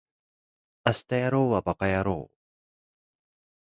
明日やろうはバカやろう